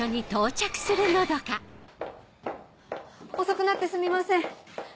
遅くなってすみません